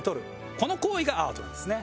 この行為がアートなんですね。